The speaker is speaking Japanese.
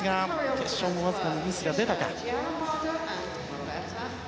決勝もわずかにミスが出たか。